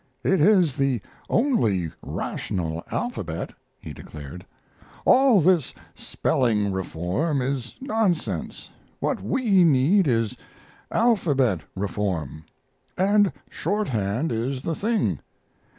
"It is the only rational alphabet," he declared. "All this spelling reform is nonsense. What we need is alphabet reform, and shorthand is the thing.